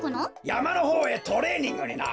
やまのほうへトレーニングにな。